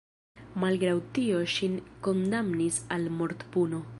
Malgraŭ tio ŝin kondamnis al mortpuno.